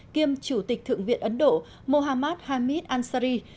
kiêm chủ tịch thượng viện ấn độ mohammad hamid ansari